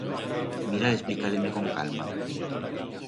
Mira d'explicar-le-ne con calma.